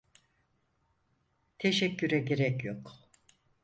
Teşekküre gerek yok.